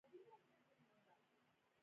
د بامیانو ککرک وادي د بودايي هنر موزیم دی